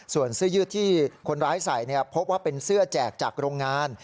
ส่วนเสื้อยืดที่คนร้ายใส่พบว่าเป็นเสื้อแจกจากโรงงาน